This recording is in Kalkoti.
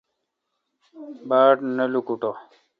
باڑ نہ لوکوٹہ ۔